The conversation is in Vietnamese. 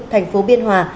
thành phố biên hòa